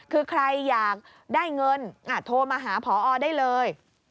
คือใครอยากได้เงินโทรมาหาพอได้เลย